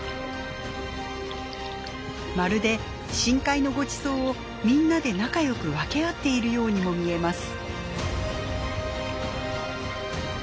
まるで深海のごちそうをみんなで仲良く分け合っているようにも見えます。